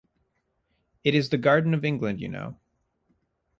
It is the garden of England, you know.